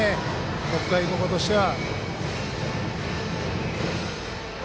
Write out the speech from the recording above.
北海高校としては。